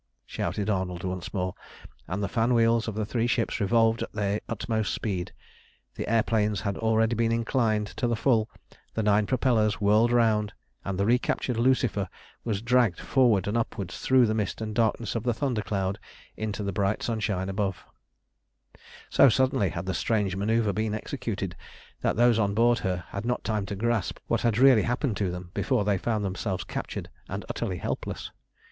shouted Arnold once more, and the fan wheels of the three ships revolved at their utmost speed; the air planes had already been inclined to the full, the nine propellers whirled round, and the recaptured Lucifer was dragged forward and upwards through the mist and darkness of the thunder cloud into the bright sunshine above. [Illustration: "Now is your time, cast!" See page 242.] So suddenly had the strange manœuvre been executed that those on board her had not time to grasp what had really happened to them before they found themselves captured and utterly helpless.